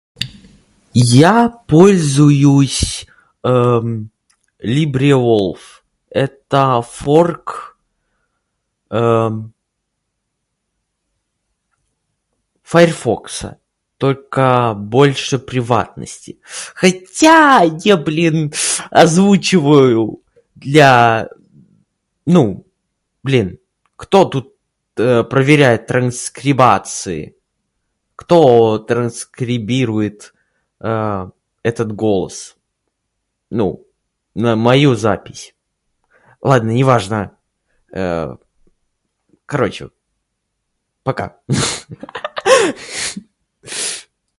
Я пользуюсь, [disfluency|эм], LibreWolf. Это форк [disfluency|эм], Фаерфокса. Только больше приватности. Хотя я, блин, озвучиваю для, ну, блин, кто тут, [disfluency|э], проверяет транскрибации? Кто транскрибирует, [disfluency|э-э], этот голос? Ну, на мою запись. Ладно, неважно. [disfluency|Э], короче, пока!